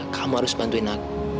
kamu harus bantuin aku